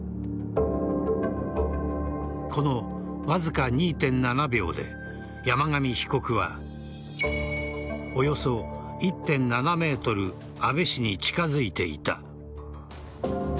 このわずか２．７秒で山上被告はおよそ１．７ｍ安倍氏に近づいていた。